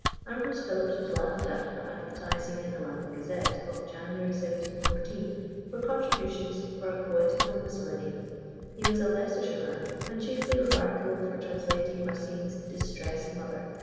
Ambrose Philips was laughed at for advertising in the London Gazette, of January 1714, for contributions to a Poetical Miscellany. He was a Leicestershire man, and chiefly remarkable for translating Racine's "Distressed Mother."